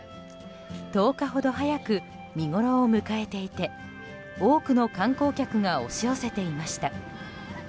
１０日ほど早く見ごろを迎えていて多くの観光客が押し寄せていました。